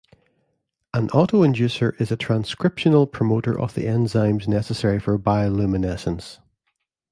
An autoinducer is a transcriptional promoter of the enzymes necessary for bioluminescence.